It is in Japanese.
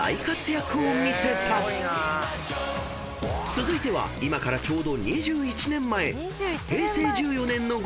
［続いては今からちょうど２１年前］